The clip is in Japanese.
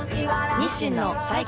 日清の最強